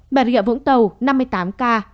bà rịa vũng tàu năm mươi tám ca